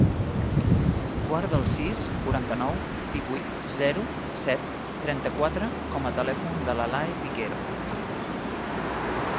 Guarda el sis, quaranta-nou, divuit, zero, set, trenta-quatre com a telèfon de l'Alae Piquero.